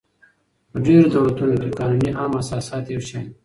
په ډېرو دولتو کښي قانوني عام اساسات یو شان يي.